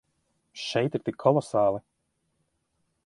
Šeit ir tik kolosāli.